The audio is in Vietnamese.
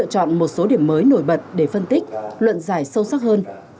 phần thứ hai một số điểm mới nổi bật để phân tích luận giải sâu sắc hơn